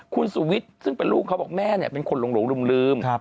คุณสุวิทย์ซึ่งเป็นลูกเขาบอกแม่เป็นคนหลงลืม